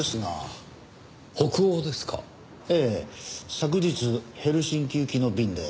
昨日ヘルシンキ行きの便で。